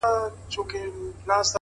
هره ستونزه د پیاوړتیا تمرین دی!